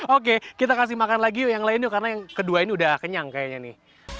oke kita kasih makan lagi yuk yang lain yuk karena yang kedua ini udah kenyang kayaknya nih